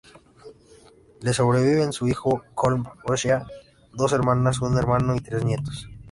Le sobreviven su hijo, Colm O'Shea, dos hermanas, un hermano y tres nietos.